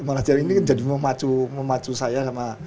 malah jadi ini kan jadi memacu saya sama